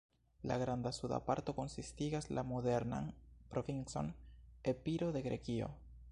La granda suda parto konsistigas la modernan provincon Epiro de Grekio.